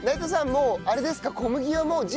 もうあれですか？